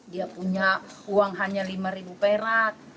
dia punya uang hanya rp lima perat